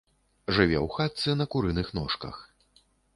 Жыве ў хатцы на курыных ножках.